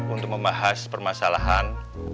untuk membahas permasalahan